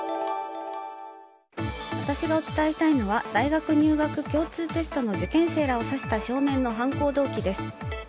私がお伝えしたいのは大学入学共通テストの受験生らを刺した少年の犯行動機です。